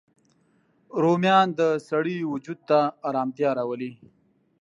رومیان د سړی وجود ته ارامتیا راولي